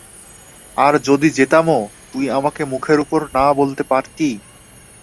আর যদি যেতামও, তুই আমাকে মুখের উপর না বলতে পারতি।